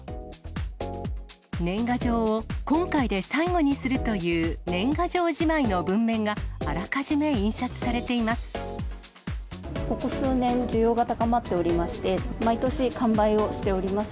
年賀状を今回で最後にするという年賀状じまいの文面が、あらかじめ印刷されています。